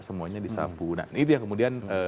semuanya disapu nah itu yang kemudian